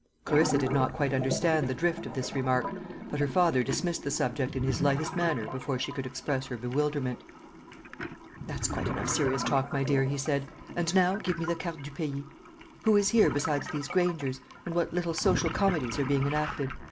Clarissa did not quite understand the drift of this remark, but her father dismissed the subject in his lightest manner before she could express her bewilderment. "That's quite enough serious talk, my dear," he said; "and now give me the carte du pays. Who is here besides these Grangers? and what little social comedies are being enacted?